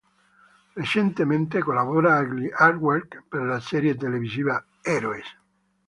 Recentemente collabora agli artwork per la serie televisiva "Heroes".